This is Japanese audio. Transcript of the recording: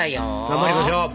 頑張りましょう！